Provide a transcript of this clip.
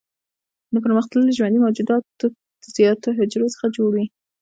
پرمختللي ژوندي موجودات د زیاتو حجرو څخه جوړ وي.